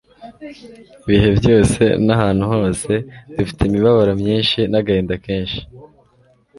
Ibihe byose n'ahantu hose, dufite imibabaro myinshi n'agahinda kenshi,